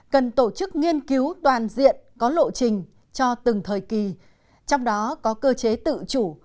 cần tổ chức nghiên cứu toàn diện có lộ trình cho từng thời kỳ trong đó có cơ chế tự chủ